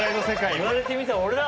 言われてみたら俺だ！